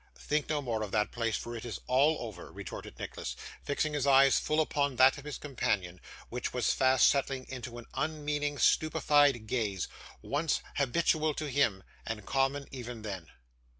'Think no more of that place, for it is all over,' retorted Nicholas, fixing his eyes full upon that of his companion, which was fast settling into an unmeaning stupefied gaze, once habitual to him, and common even then.